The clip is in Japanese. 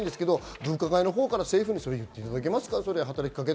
分科会のほうから政府に言っていただけますか？